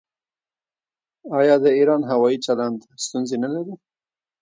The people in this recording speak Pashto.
آیا د ایران هوايي چلند ستونزې نلري؟